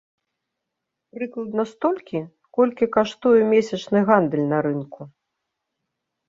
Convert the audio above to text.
Прыкладна столькі, колькі каштуе месячны гандаль на рынку.